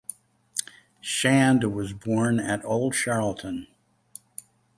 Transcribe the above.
Shand was born at Old Charlton.